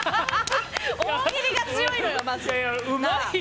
大喜利が強いのよ！